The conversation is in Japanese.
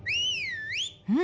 うん？